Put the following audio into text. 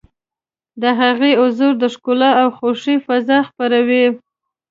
د هغې حضور د ښکلا او خوښۍ فضا خپروي.